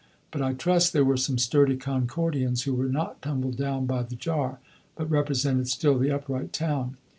But I trust there were some sturdy Concordians who were not tumbled down by the jar, but represented still the upright town.